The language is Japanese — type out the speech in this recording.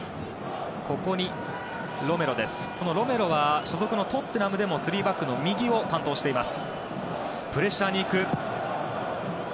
ロメロは所属のトッテナムでも３バックの右を担当しています。